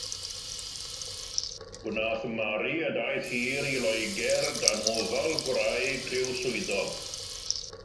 Gwnaeth Mary y daith hir i Loegr dan ofal gwraig rhyw swyddog.